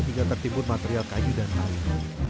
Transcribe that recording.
hingga tertimbun material kayu dan air